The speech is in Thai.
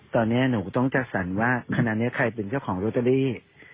ตอนนี้หนูต้องจัดสรรว่าขณะนี้ใครเป็นเจ้าของโรตเตอรี่